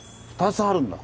２つあるんだ